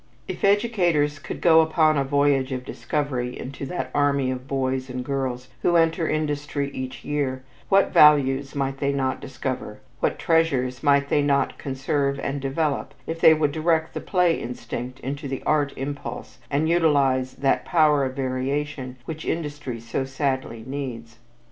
If educators could go upon a voyage of discovery into that army of boys and girls who enter industry each year, what values might they not discover; what treasures might they not conserve and develop if they would direct the play instinct into the art impulse and utilize that power of variation which industry so sadly needs.